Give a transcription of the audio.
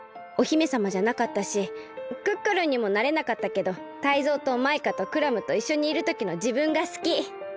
お姫さまじゃなかったしクックルンにもなれなかったけどタイゾウとマイカとクラムといっしょにいるときのじぶんがすき！